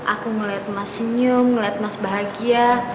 aku melihat mas senyum melihat mas bahagia